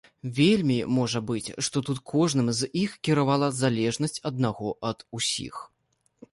Вельмі можа быць, што тут кожным з іх кіравала залежнасць аднаго ад усіх.